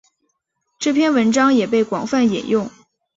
这篇文章也被广泛引用。